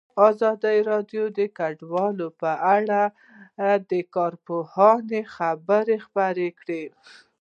ازادي راډیو د کډوال په اړه د کارپوهانو خبرې خپرې کړي.